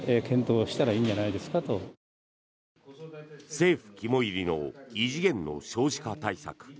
政府肝煎りの異次元の少子化対策。